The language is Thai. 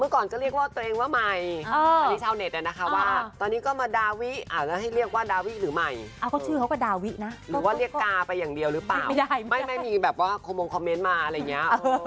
เอ้าก็ชื่อเขากับดาวินะหรือว่าเรียกกาไปอย่างเดียวหรือเปล่าไม่มีแบบว่าโคมงคอมเม้นต์มาอะไรอย่างเงี้ย